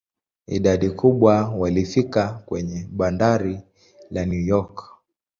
Idadi kubwa walifika kwenye bandari la New York.